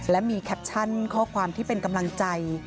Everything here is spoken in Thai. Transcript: และมีแคปชั่นข้อความที่เป็นกำลังใจ